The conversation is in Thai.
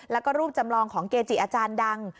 แล้วก็รูปจำลองของเกจิอาจารย์ดัง